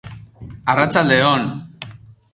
Arratsalde on!